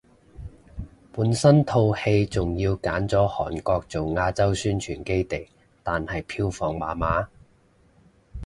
本身套戲仲要揀咗韓國做亞洲宣傳基地，但係票房麻麻